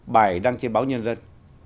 bài đăng trên báo nhân dân